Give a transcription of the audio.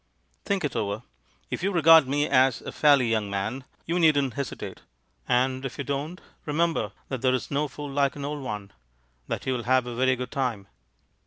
Think it over. If you regard me as a fairly young man, you needn't hesitate ; and if you don't, remember that there's no fool like an old one — that you'll have a very good time."